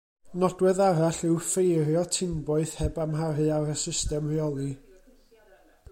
Nodwedd arall yw ffeirio tinboeth heb amharu ar y system reoli.